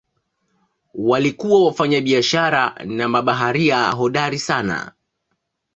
Walikuwa wafanyabiashara na mabaharia hodari sana.